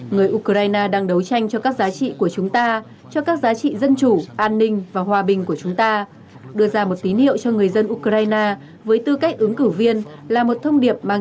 người ukraine đang đấu tranh cho các giá trị của chúng ta cho các giá trị dân chủ an ninh và hòa bình của chúng ta đưa ra một tín hiệu cho người dân ukraine với tư cách ứng cử viên